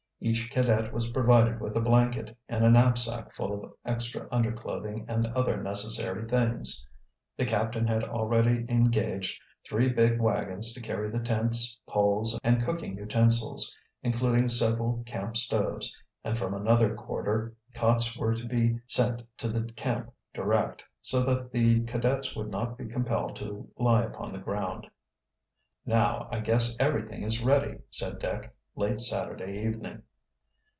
Each cadet was provided with a blanket, and a knapsack full of extra underclothing and other necessary things. The captain had already engaged three big wagons to carry the tents, poles, and cooking utensils, including several camp stoves, and from another quarter cots were to be sent to the camp direct, so that the cadets would not be compelled to lie upon the ground. "Now, I guess everything is ready," said Dick; late Saturday evening.